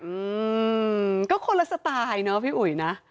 อืมก็คนละสไตล์เนอะพี่อุ๋ยนะ